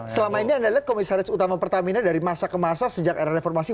selama ini anda lihat komisaris utama pertamina dari masa ke masa sejak era reformasi